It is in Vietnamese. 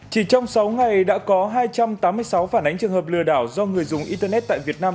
chỉ trong sáu ngày đã có hai trăm tám mươi sáu phản ánh trường hợp lừa đảo do người dùng internet tại việt nam